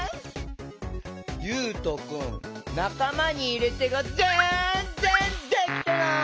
ゆうとくんなかまにいれてがぜんぜんできてない！